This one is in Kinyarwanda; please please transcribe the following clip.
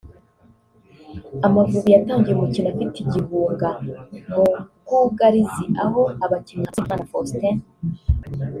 Amavubi yatangiye umukino afite igihunga mu bwugarizi aho abakinnyi nka Usengimana Faustin